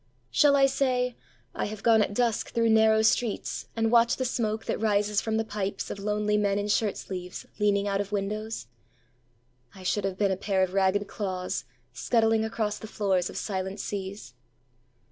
……..Shall I say, I have gone at dusk through narrow streetsAnd watched the smoke that rises from the pipesOf lonely men in shirt sleeves, leaning out of windows?…I should have been a pair of ragged clawsScuttling across the floors of silent seas.